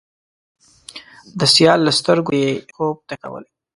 د سیال له سترګو یې، خوب تښتولی